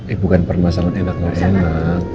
eh bukan permasalahan enak nggak enak